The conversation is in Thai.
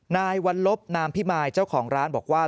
นายวัลลบนามพิมายเจ้าของร้านบอกว่า